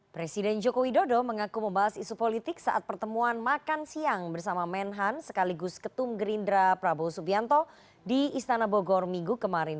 presiden joko widodo mengaku membahas isu politik saat pertemuan makan siang bersama menhan sekaligus ketum gerindra prabowo subianto di istana bogor minggu kemarin